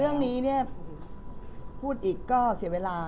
เรื่องนี้เนี่ยพูดอีกก็เสียเวลา